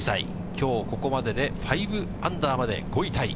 きょうここまでで、５アンダーまで５位タイ。